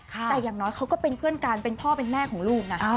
แต่อย่างน้อยเขาก็เป็นเพื่อนกันเป็นพ่อเป็นแม่ของลูกนะ